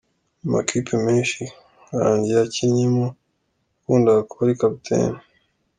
Mu makipe menshi Gangi yakinnyemo, yakundaga kuba ari kapiteni.